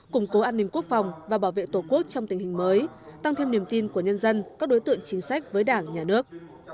củng cố an ninh quốc phòng và bảo vệ tổ quốc trong tình hình mới tăng thêm niềm tin của nhân dân các đối tượng chính sách với đảng nhà nước